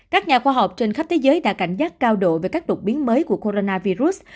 các nhà khoa học trên khắp thế giới đã cảnh giác cao độ về các đột biến mới của coronavirus